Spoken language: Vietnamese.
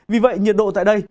vì vậy nhiệt độ tại đây